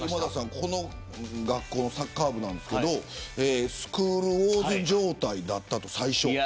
この学校のサッカー部ですがスクールウォーズ状態だった最初。